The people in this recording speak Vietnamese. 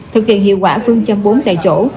thực hiện hiệu quả phương châm bốn tại chỗ